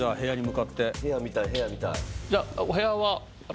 部屋見たい部屋見たい。